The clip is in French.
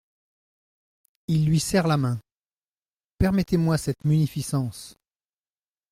Il lui serre la main. permettez-moi cette munificence.